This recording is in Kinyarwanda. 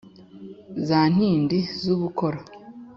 Za ntindi z'ubukoro,